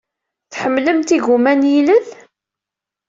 Tḥemmlemt igumma n yilel?